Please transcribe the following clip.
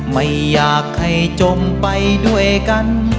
ไม่อยากให้จมไปด้วยกัน